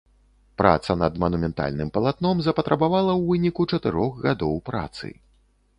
Праца над манументальным палатном запатрабавала ў выніку чатырох гадоў працы.